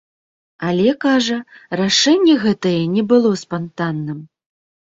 Але, кажа, рашэнне гэтае не было спантанным.